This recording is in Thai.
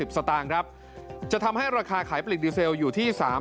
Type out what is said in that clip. สตางค์ครับจะทำให้ราคาขายปลีกดีเซลอยู่ที่๓๐๐